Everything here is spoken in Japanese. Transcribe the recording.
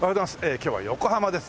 今日は横浜です。